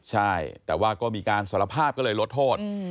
ใช่แต่ว่าก็มีการสารภาพก็เลยลดโทษ